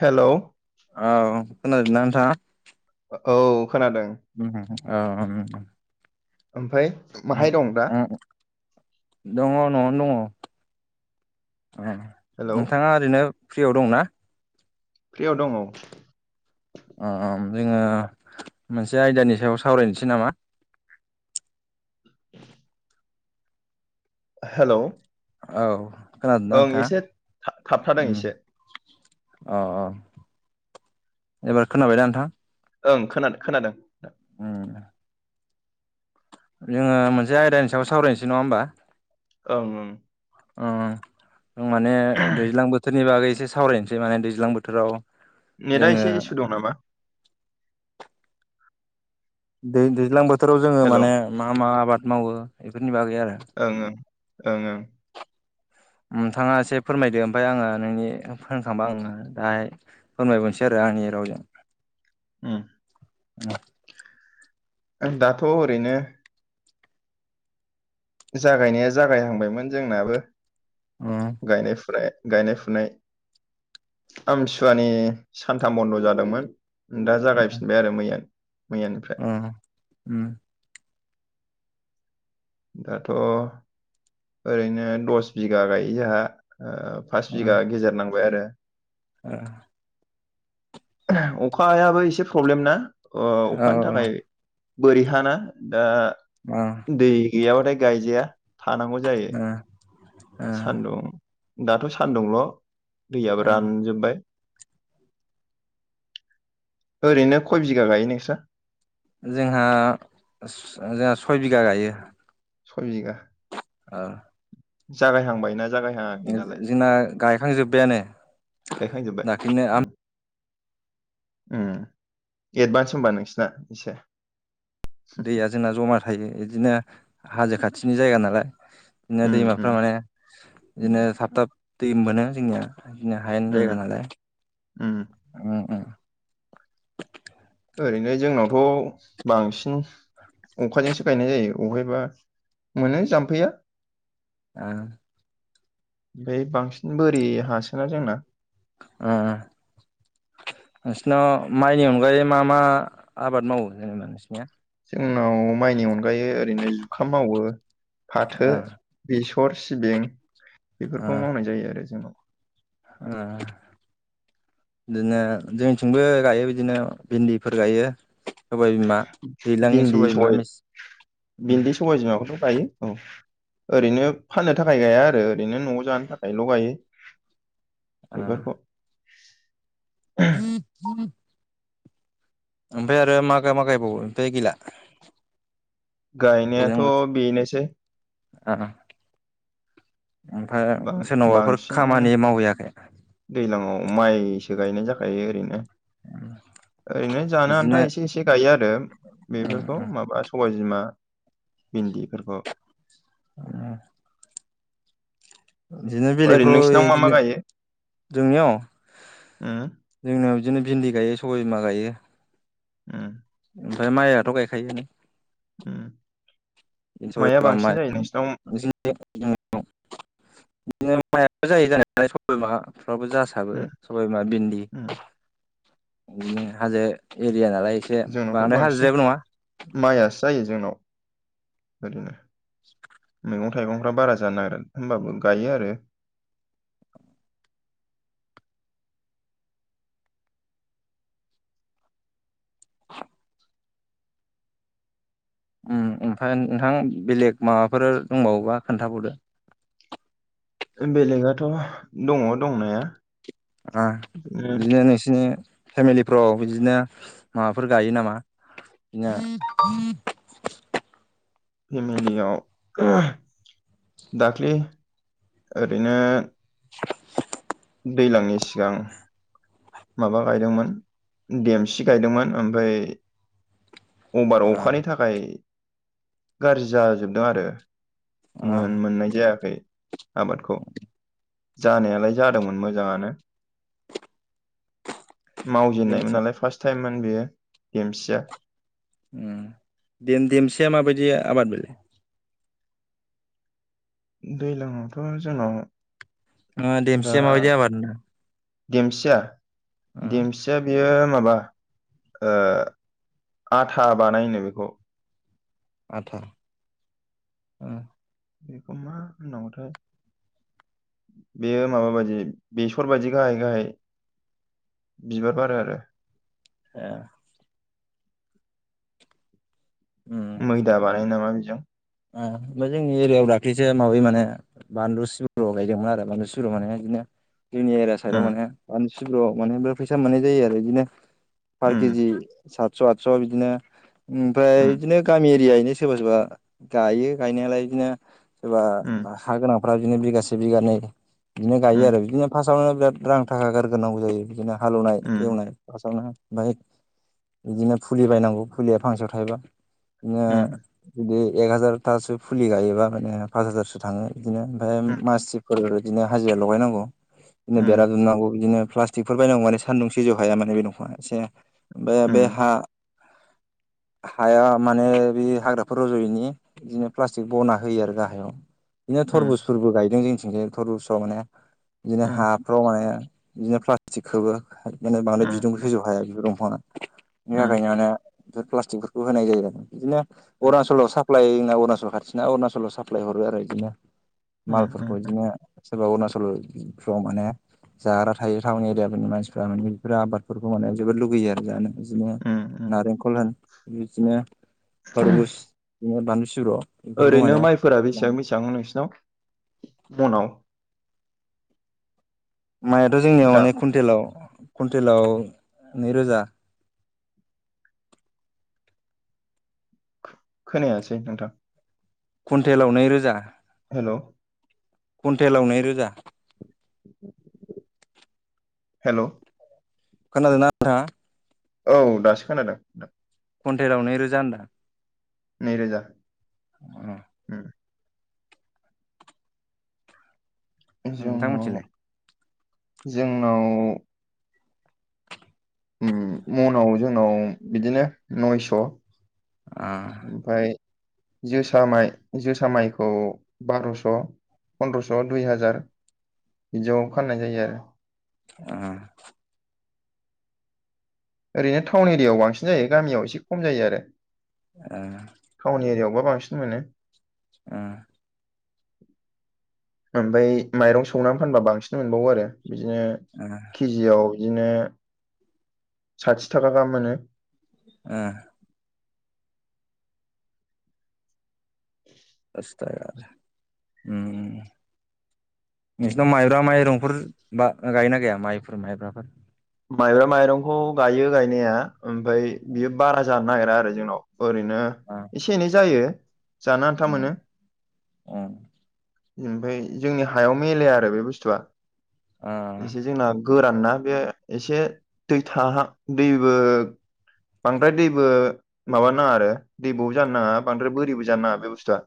Hello औ खोनादों ना नोंथांङा औ खोनादों अ ओमफ्राय माहाय दं दा ओम दङ न'आवनो दङ हेलौ नोंथाङा ओरैनो फ्रियाव दंना फ्रियाव दङ जोङो मोनसे आयदानि सायाव सावरायनोसै नामा हेलौ औ खोनादोंना ओं एसे था थाबथादों नोंथाङा एसे ओम अ अ एबार खोनाबाय दा नोंथां औ खोनादों खोनादों उम जोंङो मोनसे आयदानि सायाव सावरायनोसै नंङा होनबा औ ओं ओं ओं माने दैज्लां बोथोरनि बागै एसे सावरायनोसै माने दैज्लां बोथोराव नेटआ जोङो एसे इसु दं नामा दै दैज्लां बोथोराव जोंङो हेलौ माने मा मा आबाद मावो बेफोर ओं ओं ओं ओं नोंथांङा एसे फोरमायदो ओमफाय आंङो नोंनि फोरमायखांबा आं दाहाय फोरमायबावनोसै आरो रो आंनि रावजों उम ओं ओ आं दाथ ओरैनो जागायनाया जागायहांबायमोन जोंनाबो औ गायनाय फुनाय गायनाय फुनाय आमथिसुवानि सानथाम बन्द जादोंमोन दा जागायफिनबाय आरो मैया मैयानिफ्राय उम उम दाथ ओरैनो दस बिगा गायो जोंहा ओ पास बिगा गेजेर नांबाय आरो ओ अखायाबो एसे प्रब्लेम ना आ अखानि थाखाय बोरैहाना दा दै गैयाब्लाथाय गायजाया थानांगौ जायो सानदुं दाथ सान्दुंल दैयाबो रानजोबबाय ओरैनो खय बिगा गायो नोंस्रा जोंहा स'-सय बिगा गायो। सय बिघा? ओ जागायहांबायना? जागायहाङाखै दालाय जोंना गायखांजोब्बायानो दाख्लैनो आम ओम एडभान्स होनबा नोंसिना इसे? दैया जोंना जमा थायो बिदिनो हाजो खाथिनि जायगा नालाय बिदिनो उम उम दैमाफ्रा माने बिदिनो थाब-थाब दै मोनो जोंनिया । बिदिनो हायेन उम जायगानालाय उम उम उम ओरैनो जोंनावथ बांसिन अखाजोंसो गायनाय जायो अबेहायबा मोनो जाम्फैया ओ बे बांसिन बोरि हासोना जोंना ओ ओ नोंसिनाव माइनि अनगायै मा-मा आबाद मावो जेनेबा नोंसिनिया? जोंनाव माइनि अनगायै ओरैनो जुखाम मावो फाथो ओ बेस र सिबिं बेफोरखौ मावनाय जायो आरो जोंनाव। ओ बिदिनो जोंथिंबो गायो बिदिनो भेन्दिफोर गायो सबाय बिमा दैज्लांनि भिन्दि बिमा सबाय मेस उम भिन्दि सबाय बिमाबखौथ गायो । औ ओरैनो फाननो थाखाय गाया आरो ओरैनो नआव जानो थाखायल गायो। ओ बेफोरखौ [unintelligible] ओमफाय आरो मागाय मा गायबावो ओमफ्राय गैला? दैज्लां गायनायाथ बोथोर बेनोसै ओ ओं ओमफाय बां सोरनावबाफोर बांसिन खामानि मावहैयाखै? दैज्लाङाव माइसो गायनाय जाखायो ओरैनो [inaudible] ओरैनो जानो बिदिनो आन्था एसे एसे गायो आरो उम बेफोरखौ उम माबा सबाय बिमा भिन्दी फोरखौ। ओह बिदिनो ओरैनो बेलेगफ्राव नोंसिनाव मा मा बिदिनो गायो? जोंनियाव उम जोंनियाव बिदिनो भिन्दि गायो सबाय बिमा गायो। ओम ओमफ्राय माइआथ' गायखायो नो ओम [unintelligible] [unintelligible] आवबो जासाबो उम सबायबिमा बिन्दि उम ओम हाजो ए रिया नालाय एसे जोंनावथ' बांद्राय बांसिन हाजिद्रायबो नङा माइआसो जायो जोंनाव ओरैनो [inaudible] मैगं थाइगंफ्रा बारा जानो नारा होमबाबो गायो आरो ओम ओमफाय नोंथां बेलेग माबाफोर दंबावोबा खोन्थाबावदो? बेलेगाथ' दङ' दंनाया आह बिदिनो नोंसिनि फेमिलिफ्राव बिदिनो माबाफोर गायो नामा बिनो [inaudible] फेमिलायाव दाख्लि ओरैनो दैलांनि सिगां माबा गायदोंमोन देमसि गायदोंमोन ओमफाय अभार ओ अखानि थाखाय गाज्रि जाजोबदों आरो ओ मोन मोननाय जायाखै आबादखौ जानायालाय जादोंमोन मोजाङानो मावजेननायमोन देमसि नालाय फास्ट टाइममोन बेयो देमसिया ओम देम देमसिया माबायदि आबाद बिलाय दैलाङावथ' जोंनाव ओह दा देमसिया माबायदि आबाद नोंथा देमसिया? देमसिया बियो माबा ओह आथा बानायोनो बेखौ आथा ओम बेखौ मा होननांगौथाय बेयो माबा बायदि बेसर बायदि गाहाय गाहाय बिबार बारो आरो ए मैदा बानायो नामा बिजों ओह ओमफाय जोंनि एरियायाव दाख्लैसो माबै माने बानलु सिब्र' गायदोंमोन आरो बानलु सिब्र माने बिदिनो जोंनि एरिया साइदआव उम माने बानलुसिब्रआव माने बेराद फैसा मोननाय जायो आरो बिदिनो पार उम केजि सातस' आतस' बिदिनो ओमफ्राय उम बिदिनो गामि एरियायैनो सोरबा सोरबा गायो गायनायालाय बिदिनो सोरबा उम हा गोनांफ्रा बिदिनो बिगासे बिगानै बिदिनो गायो उम आरो बिदिनो फास्टआवनो बिराद रां थाखा गारग्रोनांगौ जायो बिदिनो हालेवनाय उम एवनाय फास्टआवनो माय बिदिनो फुलि बायनांगौ फुलिया फांसेआव थायबा नो उम बिदि एक हाजारथासो फुलि गायोबा माने पास हाजारसो थाङो बिदिनो ओमफ्राय उम मासिखफोर बिदिनो हाजिरा लगायनांगौ नो बेरा दुमनांगौ बिदिनो प्लास्टिकफोर बायनांगौ माने सान्दुं सैजौ हाया माने बे दंफांआ एसे ओमफ्राय उम बे हा [inaudible] हाया माने बे हाग्राफोर रज'यैनि बिदिनो प्लास्टिक बना होयो आरो गाहायाव बिदिनो उम थरबुसफोरबो गायदों जोंथिंजाय थ'रबुसाव माने बिदिनो उम हाफ्राव माने बिदिनो प्लास्टिक खौबो। माने बांद्राय उम बिदुंखौ सैज' हाया बियो। दंफाङा बेनि थाखायनो माने बिफोर प्लास्टिकफोरखौ होनाय जायो आरो बिदिनो अरुणचलाव साफ प्लाय जोंना अरुणाचल खाथिना अरुनाचलाव साप्लाय हरो आरो बिदिनो। उम मालफोरखौ बिदिनो सोरबा अरुणाचल फ्राव माने जाग्रा थायो टाउन एरियाफोरनि मानसिफोरा माने बेफोर आबादफोरखौ मावनाय जोबोद लुगैयो आरो जानो। बिदिनो उम उम नारेंखल होन बिदिनो थरबुस बिदिनो बानलु सिब्र'। बेफोरखौ ओरैनो माने माइफोरा बेसेबां बेसेबां नोंसिनाव मनाव? माइआथ' जोंनियाव दा माने कुइन्टेलाव कुवइन्टेलाव नैरोजा। खोनायासै नोंथां। कुन्टेलाव नैरोजा। हेल' कुन्टेलाव नैरोजा। हेल' खोनादों ना नोंथाङा? औ दासो खोनादों। कुन्टेलाव नैरोजा होनदां। नैरोजा उम जोंनाव नोंथांमोनथिंलाय जोंनाव उम मनाव जोंनाव बिदिनो नयस'। ओ ओमफ्राय जोसा माइ जोसा माइखौ बार'स'। फन्द्रस' दुइ हाजार बिदियाव फाननाय जायो आरो। उ। ओरैनो टाउन एरियायाव बांसिन जायो गामियाव एसे खम जायो आरो। ओ। अबाव बांसिन मोनो? उ। ओमफ्राय माइरं सौनानै फानबा बांसिन मोनबावो आरो। बिदिनो ओ केजियाव बिदिनो साथि थाखा गाहाम मोनो। ओ। उम नोंसिनाव माइब्रा माइरंफोर बा गायोना गाया माइफोर माइब्राफोर। माइब्रा माइरंखौ गायो गायनाया ओमफ्राय बियो ओ बारा जानो नागिरा आरो जोंनाव। ओरैनो एसे एनै जायो जानो आन्था उम मोनो। उम ओमफ्राय जोंनि हायाव मिलाया आरो बे बुस्थुआ ओ एसे जोंना गोरान ना बे एसे दै थाहांहां दैबो बांद्राय दैबो माबा नाङा आरो दैबावबो जानो नाङा बांद्राय बोरिबो जानो नाङा बे बुस्थुआ।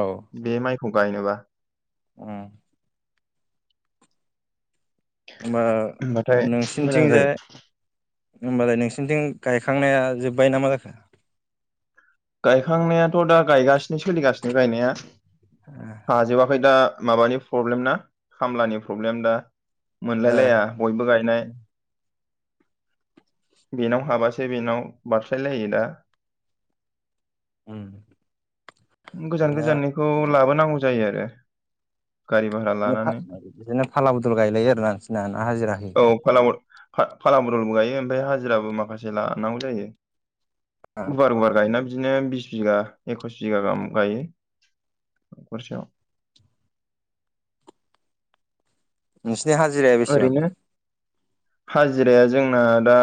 औ बे माइखौ गायनोबा। उम ओ होमबाथाय मोजां जायो नोंसिनिथिंजाय होमबालाय नोंसिनिथिं गायखांनाया जोब्बाय ना मा जाखो? गायखांनायाथ' दा गायगासिनो सोलिगासिनो गायनाया हाजोबाखै दा माबानि प्रब्लेम ना खामलानि प्रब्लेम दा। ओ मोनलायलाया बयबो गायनाय। बेनाव हाबासो बेनाव बारस्लायलायो दा। उम - गोजान गोजाननिखौ लाबोनांगौ जायो आर- अहा बिदिनो फाला बदल गायलायो आरो ना नोंसिनना ना हाजिरा औ होयो? फाला ब- फा फाला बदलबो गायो ओमफ्राय हाजिराबो माखासे लानांगौ जायो गुवार गुवार गायोना- बिदिनो बिस बिघा एकस - बिगा गाहाम गायो नखरसेयाव। [unintelligible] नोंसिनि हाजिराया बेसेबां? ओरैनो हाजिराया जोंना दा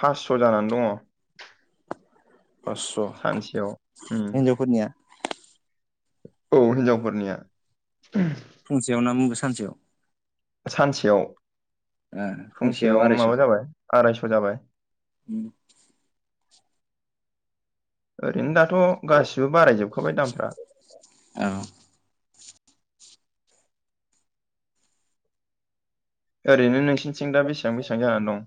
फास्स' जानानै दङ। पासस' सानसेयाव उम हिनजावफोरनिया? औ हिनजावफोरनिया। फुंसेयाव ना मुग सानसेयाव? सानसेयाव ओ फंसेयाव फुंसेयाव माबा जाबाय आरायस' जाबाय। उम ओरैनो दाथ' गासिबो बारायजोबखाबाय दामफ्रा ओरैनो नोंसिनिथिं दा बेसेबां बेसेबां जानानै दं?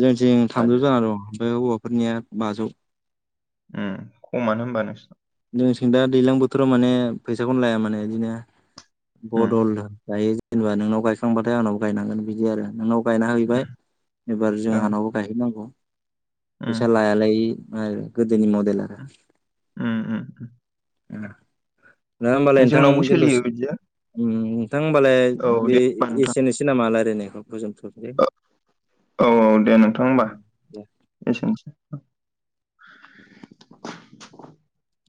जोंथिं थामजौ हाजो जाना दं हौवाफोरनिया बाजौ उम खमानो होमबा नोंसन जोंनिथिं दा दैज्लां बोथोराव माने फैसाखौनो लाया माने बिदिनो उम बदलनो गायो जेनेबा नोंनाव गायखांबाथाय आंनावबो गायनांगोन बिदि आरो नोंनाव गायना हैबाय एबार उम जोंहानाव गायहैनांगौ उम फैसा लायालोय माय गदोनि मदेल आरो उम उम ना होमबालाय उम नोंथां जोंनावबो सोलियो दोनथ'सै। बिदिया उम नोंथां होमबालाय औ बे दे होनबा नोंथां एसेनोसै नामा रायलायनो औ दे नोंथां होमबा दे एसेनोसै। [unintelligible]